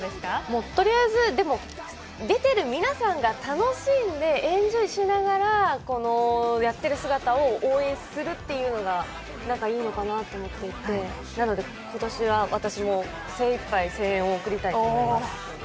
とりあえず、でも出ている皆さんが楽しんで、エンジョイしながらやっている姿を応援する姿がいいのかなと思っていてなので、今年は私も精いっぱい声援を送りたいと思います。